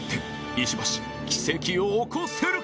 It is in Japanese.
石橋奇跡を起こせるか？